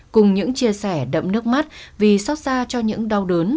cùng những chia sẻ đậm nước mắt vì sót ra cho những đau đớn